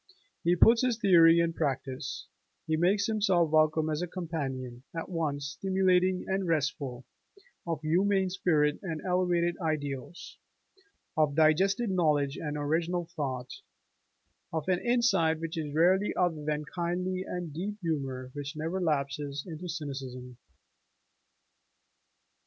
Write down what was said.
He puts his theory in practice: he makes himself welcome as a companion at once stimulating and restful, of humane spirit and elevated ideals, of digested knowledge and original thought, of an insight which is rarely other than kindly and a deep humor which never lapses into cynicism.